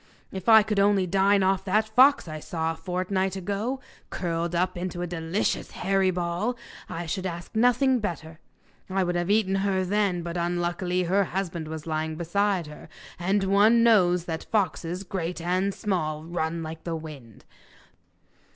If I could only dine off that fox I saw a fortnight ago, curled up into a delicious hairy ball, I should ask nothing better; I would have eaten her then, but unluckily her husband was lying beside her, and one knows that foxes, great and small, run like the wind.